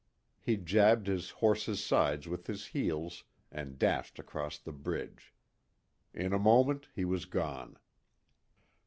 He jabbed his horse's sides with his heels and dashed across the bridge. In a moment he was gone.